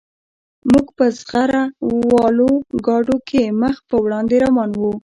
موږ په زغره والو ګاډو کې مخ په وړاندې روان وو